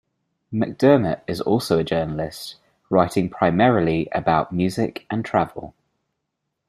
McDermott is also a journalist, writing primarily about music and travel.